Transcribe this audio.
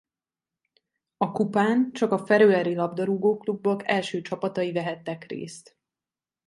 A kupán csak a feröeri labdarúgóklubok első csapatai vehettek részt.